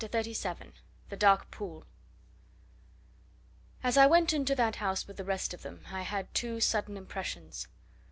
CHAPTER XXXVII THE DARK POOL As I went into that house with the rest of them, I had two sudden impressions.